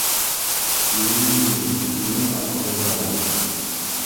— И-и-и, минең аҡыллыларым!